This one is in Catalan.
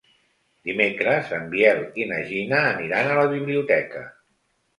Dimecres en Biel i na Gina aniran a la biblioteca.